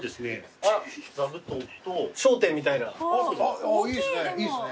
あっいいですね。